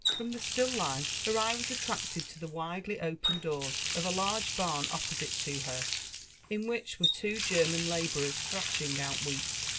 From the stiil life, her eye was attracted to Ihe widely opened doors qI a large barn opposite to her, in which were two German labourers threshing out wheat.